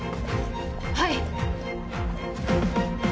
「はい」